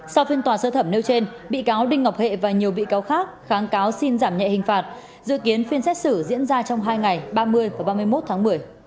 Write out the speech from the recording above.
sau phiên tòa sơ thẩm nêu trên bị cáo đinh ngọc hệ và nhiều bị cáo khác kháng cáo xin giảm nhẹ hình phạt dự kiến phiên xét xử diễn ra trong hai ngày ba mươi và ba mươi một tháng một mươi